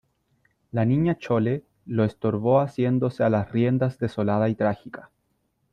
la Niña Chole lo estorbó asiéndose a las riendas desolada y trágica :